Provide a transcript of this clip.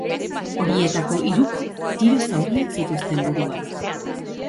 Horietako hiruk tiro zauriak zituzten buruan.